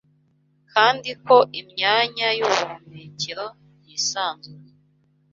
kandi ko imyanya y’ubuhumekero yisanzuye